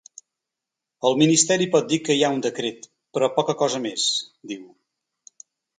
“El ministeri pot dir que hi ha un decret, però poca cosa més”, diu.